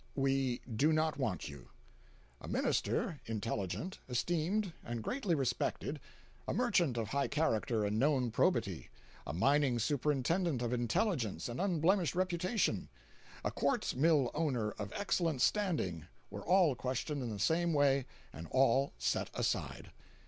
"We do not want you." A minister, intelligent, esteemed, and greatly respected; a merchant of high character and known probity; a mining superintendent of intelligence and unblemished reputation; a quartz mill owner of excellent standing, were all questioned in the same way, and all set aside.